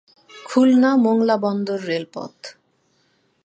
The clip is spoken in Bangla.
খুলনা-মোংলা বন্দর রেলপথ